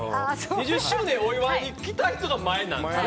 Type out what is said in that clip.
２０周年をお祝いに来た人が前なんですね？